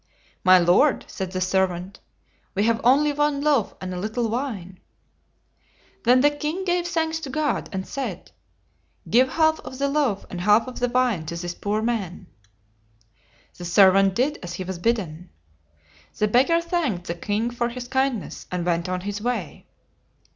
"My lord," said the servant, "we have only one loaf and a little wine." Then the king gave thanks to God, and said, "Give half of the loaf and half of the wine to this poor man." The servant did as he was bidden. The beggar thanked the king for his kindness, and went on his way.